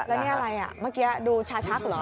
แล้วนี่อะไรเมื่อกี้ดูชาชักเหรอ